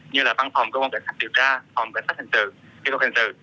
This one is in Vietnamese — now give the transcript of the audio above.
như là văn phòng công an cảnh sát điều tra phòng cảnh sát hành trình